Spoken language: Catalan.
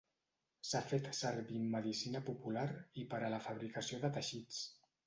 S'ha fet servir en medicina popular i per a la fabricació de teixits.